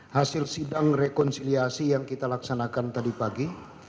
hasil sidang rekonsiliasi yang kita laksanakan tadi pagi